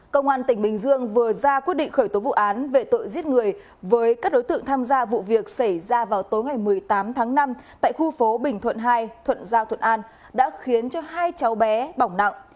công an tỉnh bình dương vừa ra quyết định khởi tố vụ án về tội giết người với các đối tượng tham gia vụ việc xảy ra vào tối ngày một mươi tám tháng năm tại khu phố bình thuận hai thuận giao thuận an đã khiến cho hai cháu bé bỏng nặng